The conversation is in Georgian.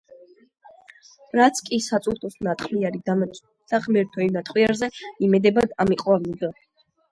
რაც კი საწურთოს ნატყვიარი დამაჩნდა ღმერთო, იმ ნატყვიარზე იმედებად ამიყვავილდა.